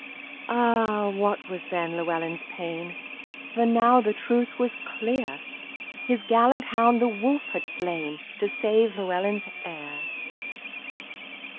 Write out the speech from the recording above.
Ah! What was then Llewellyn's pain! For now the truth was clear: The gallant hound the wolf had slain To save Llewellyn's heir.